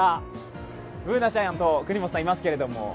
Ｂｏｏｎａちゃんと國本さん、いますけど。